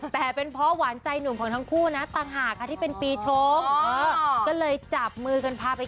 แต่เป็นเพราะหวานใจหนุ่มของทั้งคู่นะต่างหากค่ะที่เป็นปีชงก็เลยจับมือกันพาไป